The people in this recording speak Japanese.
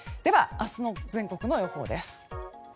明日の全国の予報です。